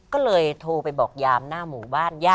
ก็เลยโทรไปบอกยามหน้าหมู่บ้าน